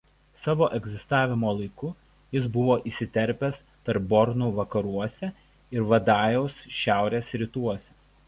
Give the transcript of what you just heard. Savo egzistavimo laiku jis buvo įsiterpęs tarp Bornu vakaruose ir Vadajaus šiaurės rytuose.